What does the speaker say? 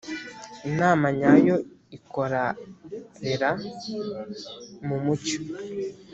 inama nyayo ikora rera mumucyo.